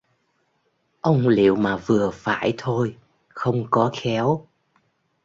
Ông liệu mà vừa phải thôi không có khéo